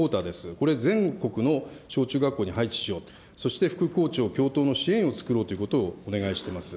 これ、全国の小中学校に配置しよう、そして副校長、教頭の支援を作ろうということをお願いしてます。